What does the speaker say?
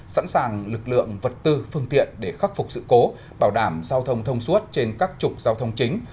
sẵn sàng lực lượng vật tư phương tiện để khắc phục sự cố bảo đảm giao thông thông suốt trên các trục giao thông chính